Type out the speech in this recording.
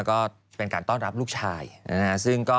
ก็เป็นการต้อนรับลูกชายซึ่งก็